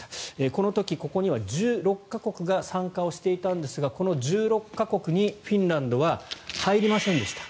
この時、ここには１６か国が参加をしていたんですがこの１６か国にフィンランドは入りませんでした。